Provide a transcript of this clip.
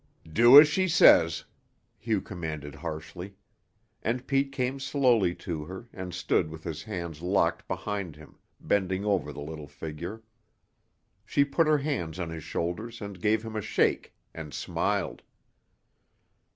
"Do as she says," Hugh commanded harshly, and Pete came slowly to her and stood with his hands locked behind him, bending over the little figure. She put her hands on his shoulders and gave him a shake, and smiled.